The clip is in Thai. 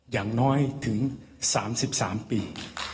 อย่างน้อยถึง๓๓ปี